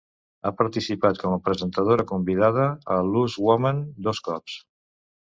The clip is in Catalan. Ha participat com a presentadora convidada a "Loose Women" dos cops.